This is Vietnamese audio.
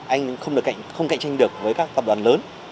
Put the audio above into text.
anh không cạnh tranh được với các tập đoàn lớn